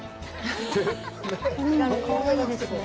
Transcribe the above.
織物、かわいいですね。